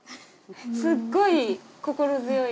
すっごく心強い。